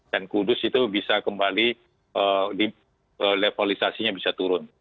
dan kudus itu bisa kembali levelisasinya bisa turun